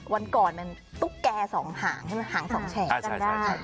วันก่อนมันตุ๊กแกสองหางใช่ไหมหางสองแฉกกันได้ใช่ใช่ใช่